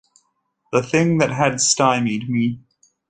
The thing that had stymied me.